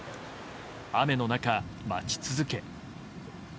雨の中、待ち続け